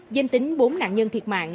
dân tính bốn nạn nhân thiệt mạng